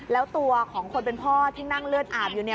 แล้วตัวของคนเป็นพ่อที่นั่งเลือดอาบอยู่เนี่ย